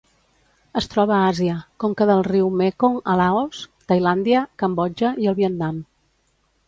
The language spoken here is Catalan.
Es troba a Àsia: conca del riu Mekong a Laos, Tailàndia, Cambodja i el Vietnam.